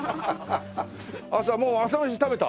朝もう朝飯食べた？